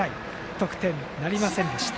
得点なりませんでした。